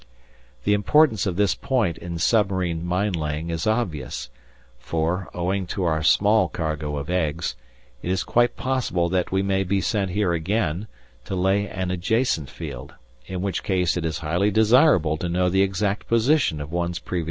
The importance of this point in submarine mine laying is obvious, for, owing to our small cargo of eggs, it is quite possible that we may be sent here again, to lay an adjacent field, in which case it is highly desirable to know the exact position of one's previous effort.